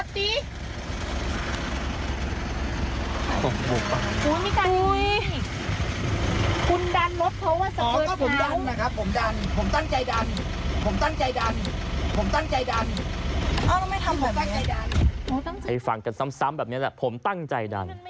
ให้ฟังกันซ้ำแบบนี้แหละผมตั้งใจดัน